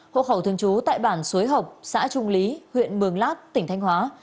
hộ khẩu thương chú tại bản suối học xã trung lý huyện mường lát tỉnh thanh hóa